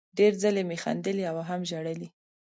ډېر ځلې مې خندلي او هم ژړلي